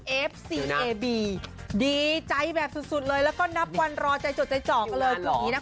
เอฟซีเอบีดีใจแบบสุดสุดเลยแล้วก็นับวันรอใจจดใจเจาะกันเลย